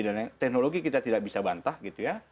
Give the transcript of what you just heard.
dan teknologi kita tidak bisa bantah gitu ya